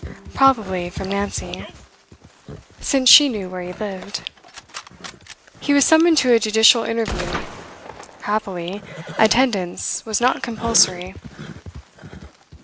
Probably from Nancy, since she knew where he lived. He was summoned to a judicial interview. Happily, attendance was not compulsory.